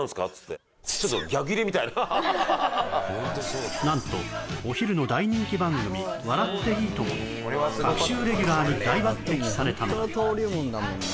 ちょっとなんとお昼の大人気番組「笑っていいとも！」の隔週レギュラーに大抜擢されたのだ